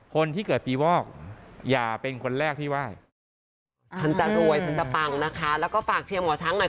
คนที่เกิดปีวอกอย่าเป็นคนแรกที่ไหว้